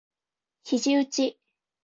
肘うち